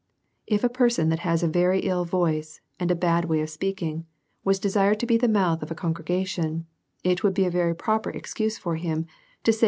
If a person that has a very ill voice, and a bad way of speaking, was desired to be the mouth of a congre gation, it would be a very proper excuse for him to say DEVOUT AND HOLY LIFE.